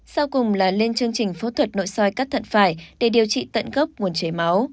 sau cùng là lên chương trình phẫu thuật nội soi cắt thận phải để điều trị tận gốc nguồn chế máu